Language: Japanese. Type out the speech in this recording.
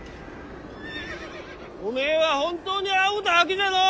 おめえは本当にあほたわけじゃのう！